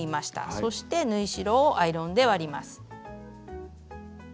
そして縫い代をアイロンで割ります。